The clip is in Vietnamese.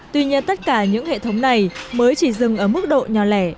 tuy nhiên tất cả những hệ thống này mới chỉ dừng ở mức độ nhỏ lẻ